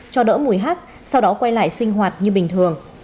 cho đỡ mùi hác sau đó quay lại sinh hoạt như bình thường